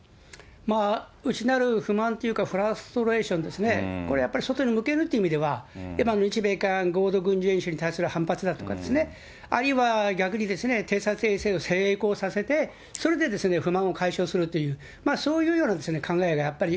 内なる不満というか、フラストレーションですね、これやっぱり、外に向けるっていう意味では、今の日米韓合同演習に対する反発だとか、あるいは逆にですね、偵察衛星を成功させて、それで不満を解消するという、そういうような考えがやっぱり、